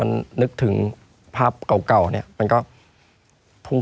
ไม่มีครับไม่มีครับ